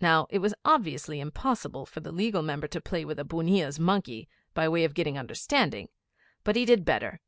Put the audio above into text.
Now, it was obviously impossible for the Legal Member to play with a bunnia's monkey, by way of getting understanding; but he did better.